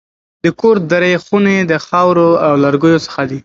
د کور درې خونې د خاورو او لرګیو څخه دي.